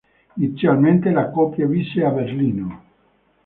Inizialmente la coppia visse a Berlino.